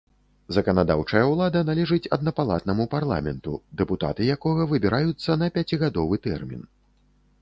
Заканадаўчая ўлада належыць аднапалатнаму парламенту, дэпутаты якога выбіраюцца на пяцігадовы тэрмін.